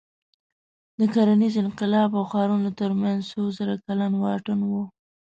د کرنیز انقلاب او ښارونو تر منځ څو زره کلن واټن و.